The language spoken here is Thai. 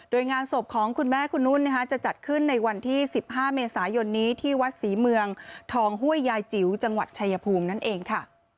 โดยงานศพของคุณแม่คุณนุ่นจะจัดขึ้นในวันที่๑๕เมษายนนี้ที่วัดศรีเมืองทองห้วยยายจิ๋วจังหวัดชายภูมินั่นเองค่ะ